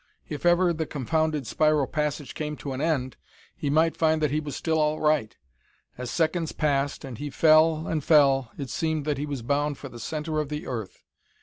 If ever the confounded spiral passage came to an end, he might find that he was still all right. As seconds passed and he fell and fell, it seemed that he was bound for the center of the earth.